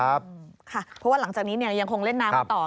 เพราะว่าหลังจากนี้ยังคงเล่นน้ำกันต่อ